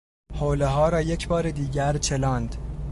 حولهها را یک بار دیگر چلاند.